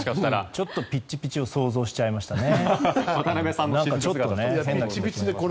ちょっとピッチピチを想像しちゃいましたね。